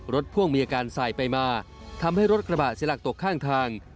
พ่วงมีอาการสายไปมาทำให้รถกระบะเสียหลักตกข้างทาง